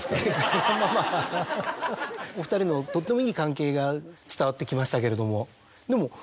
お２人のとってもいい関係が伝わってきましたけれども。